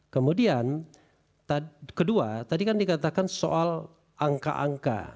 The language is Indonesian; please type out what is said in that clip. kemudian kedua tadi kan dikatakan soal angka angka